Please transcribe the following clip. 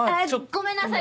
ごめんなさい！